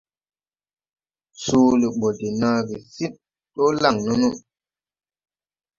Soole ɓɔ de naage sid dɔɔ laŋ nono.